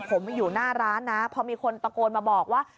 ผมอยู่หน้าร้านนะพอมีคนตะโกนมาบอกว่า